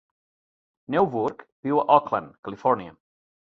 Neuburg viu a Oakland, Califòrnia.